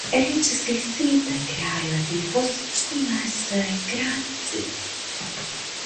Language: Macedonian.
Речиси сите кралеви во суштина се крадци.